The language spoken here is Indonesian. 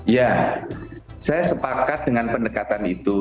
ya saya sepakat dengan pendekatan itu